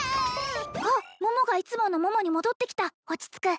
あっ桃がいつもの桃に戻ってきた落ち着く